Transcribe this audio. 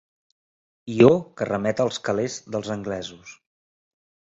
Ió que remet als calés dels anglesos.